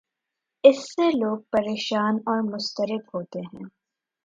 اس سے لوگ پریشان اور مضطرب ہوتے ہیں۔